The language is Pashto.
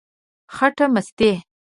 خټه مستې،